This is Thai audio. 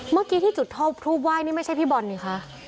เมื่อกี้ที่จุดทูปไหว้นี่ไม่ใช่พี่บอลนี่คะ